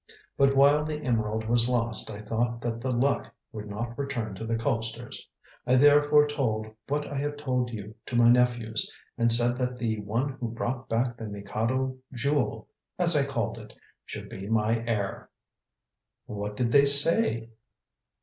But while the emerald was lost I thought that the luck would not return to the Colpsters. I therefore told what I have told you to my nephews, and said that the one who brought back the Mikado Jewel as I called it should be my heir." "What did they say?"